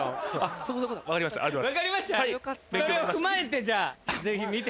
それを踏まえてじゃあぜひ見て。